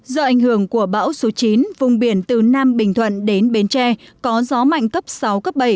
do ảnh hưởng của bão số chín vùng biển từ nam bình thuận đến bến tre có gió mạnh cấp sáu cấp bảy